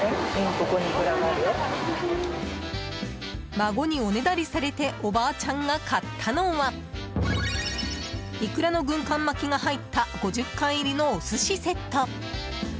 孫におねだりされておばあちゃんが買ったのはイクラの軍艦巻きが入った５０貫入りのお寿司セット。